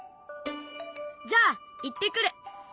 じゃあ行ってくる！